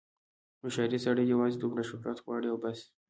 هوښیار سړی یوازې دومره شهرت غواړي او بس.